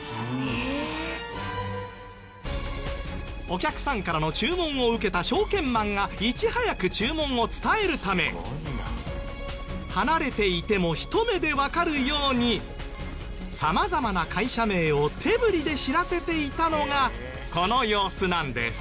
お客さんからの注文を受けた証券マンがいち早く注文を伝えるため離れていてもひと目でわかるように様々な会社名を手振りで知らせていたのがこの様子なんです。